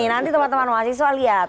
nanti teman teman mahasiswa lihat